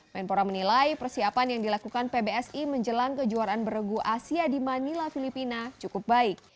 menpora menilai persiapan yang dilakukan pbsi menjelang kejuaraan beregu asia di manila filipina cukup baik